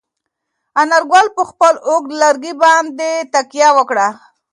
انارګل په خپل اوږد لرګي باندې تکیه وکړه.